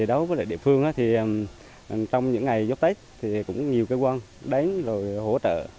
đối với địa phương trong những ngày giúp tết cũng có nhiều cơ quan đánh hỗ trợ